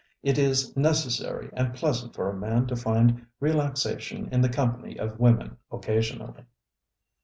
It is necessary and pleasant for a man to find relaxation in the company of women occasionally.